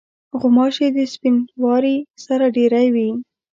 غوماشې د سپینواري سره ډېری وي.